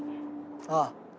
ああ。